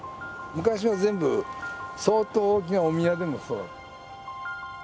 昔は全部相当大きなお宮でもそう。